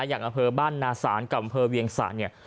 อย่างอำเภอบ้านนาศาลกับอำเภอเวียงสะเนี่ย